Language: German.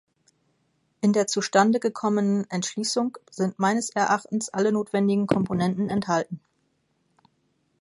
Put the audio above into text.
In der zustande gekommenen Entschließung sind meines Erachtens alle notwendigen Komponenten enthalten.